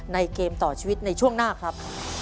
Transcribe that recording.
เกมต่อชีวิตในช่วงหน้าครับ